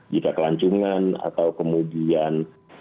jika kelancungan atau kemudian